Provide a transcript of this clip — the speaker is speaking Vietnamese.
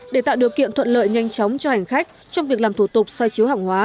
để tạo điều kiện thuận lợi nhanh chóng cho hành khách trong việc làm thủ tục xoay chiếu hàng hóa